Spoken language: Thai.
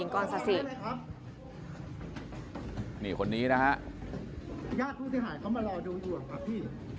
คนนี้คือ๑๐ตำรวจโทยิงก้อนสัสสิ